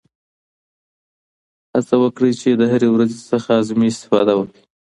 هڅه وکړئ چې د هرې ورځې څخه اعظمي استفاده وکړئ.